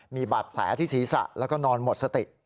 มีบาดแผลที่ศีรษะแล้วก็นอนหมดสติ